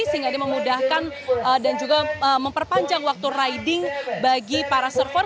sehingga ini memudahkan dan juga memperpanjang waktu riding bagi para server